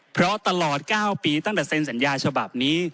เพราะตลอด๙ปีตั้งแต่เซ็นสัญญาฉบับนี้